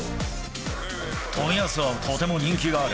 冨安はとても人気がある。